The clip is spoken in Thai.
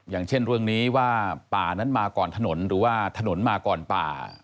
อย่างเช่นเรื่องนี้ว่าป่านั้นมาก่อนถนนหรือว่าถนนมาก่อนป่า